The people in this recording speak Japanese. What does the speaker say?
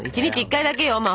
１日１回だけよ